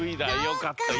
よかった！